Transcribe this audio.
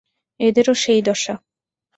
এদেরও সেই দশা।